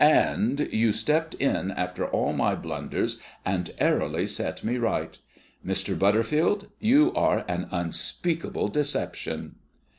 "And you stepped in after all my blunders, and airily set me right! Mr. Butterfield, you are an unspeakable deception!"